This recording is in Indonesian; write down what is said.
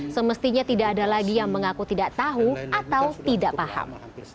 semestinya tidak ada lagi yang mengaku tidak tahu atau tidak paham